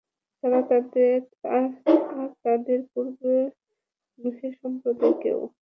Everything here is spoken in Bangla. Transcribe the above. আর তাদের পূর্বে নুহের সম্প্রদায়কেও।